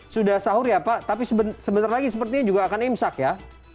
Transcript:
sudah sahur ya pak tapi sebentar lagi sepertinya juga akan imsak ya